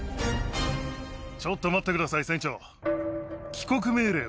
ちょっと待ってください、船長。